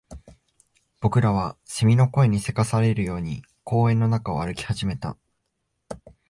僕らは蝉の声に急かされるように公園の中を歩き始めた